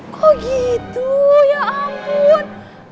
kok gitu ya ampun